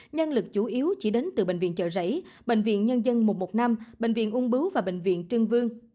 nhân lực chủ yếu chỉ đến từ bệnh viện chợ rẫy bệnh viện nhân dân một trăm một mươi năm bệnh viện ung bướu và bệnh viện trưng vương